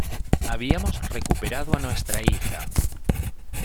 Habíamos recuperado a nuestra hija.